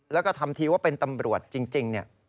แล้วก็ทำทีว่าเป็นตำรวจจริง